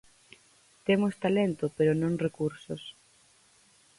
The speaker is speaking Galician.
Temos talento pero non recursos.